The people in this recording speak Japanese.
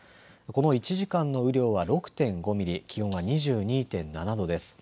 この１時間の雨量は６．５ミリ、気温は２２．７度です。